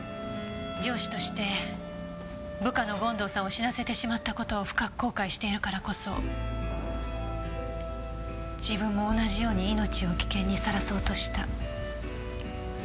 上司として部下の権藤さんを死なせてしまった事を深く後悔しているからこそ自分も同じように命を危険にさらそうとした。